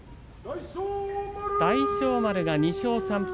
大翔丸が２勝３敗。